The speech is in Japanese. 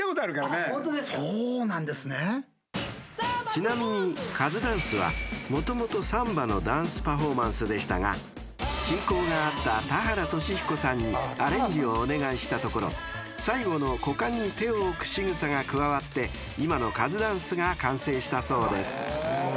［ちなみにカズダンスはもともとサンバのダンスパフォーマンスでしたが親交があった田原俊彦さんにアレンジをお願いしたところ最後の股間に手を置くしぐさが加わって今のカズダンスが完成したそうです］